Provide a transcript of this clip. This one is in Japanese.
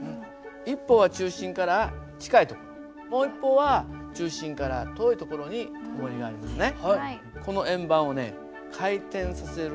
一方は中心から近いところもう一方は中心から遠いところに重りがありますね。